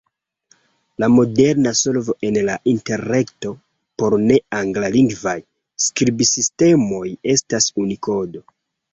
La moderna solvo en la Interreto por ne-anglalingvaj skribsistemoj estas Unikodo.